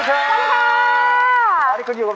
สวัสดีครับ